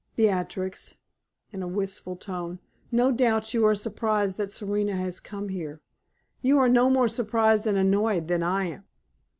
"Beatrix," in a wistful tone "no doubt you are surprised that Serena has come here. You are no more surprised and annoyed than I am."